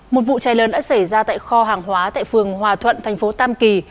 một vụ cháy lớn đã xảy ra tại kho hàng hóa tại phường hòa thuận thành phố tam kỳ